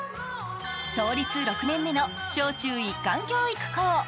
創立６年目の小中一貫教育校。